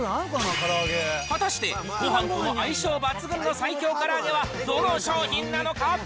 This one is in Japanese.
果たしてごはんとの相性抜群の最強から揚げはどの商品なのか。